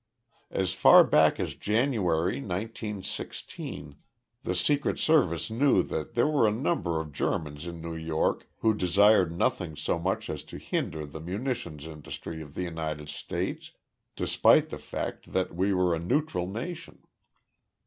As far back as January, nineteen sixteen, the Secret Service knew that there were a number of Germans in New York who desired nothing so much as to hinder the munitions industry of the United States, despite the fact that we were a neutral nation.